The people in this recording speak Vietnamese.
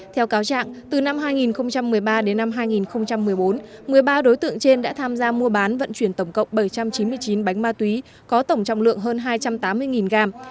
theo cáo trạng từ năm hai nghìn một mươi ba đến năm hai nghìn một mươi bốn một mươi ba đối tượng trên đã tham gia mua bán vận chuyển tổng cộng bảy trăm chín mươi chín bánh ma túy có tổng trọng lượng hơn hai trăm tám mươi gram